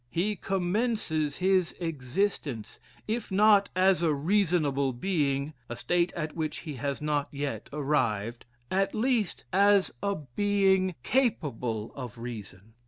he commences his existence, if not as a reasonable being, (a state at which he has not yet arrived) at least as a being capable of reason.